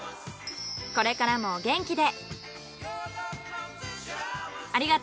これからもお元気で。